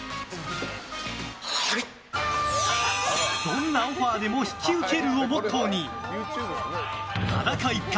どんなオファーでも引き受けるをモットーに裸一貫！